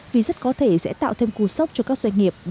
vì rất có thể sẽ tạo thêm cú sốc cho các doanh nghiệp